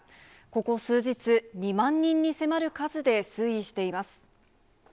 ここ数日、２万人に迫る数で推移しています。